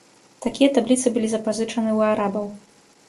Такія табліцы былі запазычаны ў арабаў.